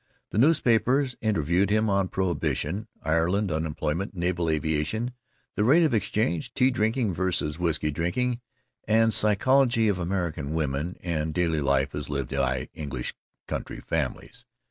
The newspapers interviewed him on prohibition, Ireland, unemployment, naval aviation, the rate of exchange, tea drinking versus whisky drinking, the psychology of American women, and daily life as lived by English county families.